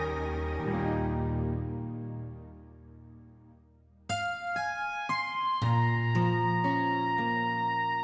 ya pak pak pakinya hilang betul